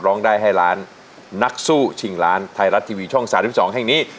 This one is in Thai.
ร้องได้ให้ล้านนักสู้ชิงล้านไทยรัฐทีวีช่อง๓๒แห่งนี้